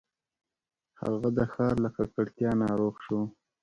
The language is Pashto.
هغه د ښار له ککړتیا ناروغ شو.